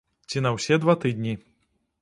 Ці на ўсе два тыдні.